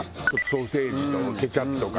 ソーセージとケチャップとかね。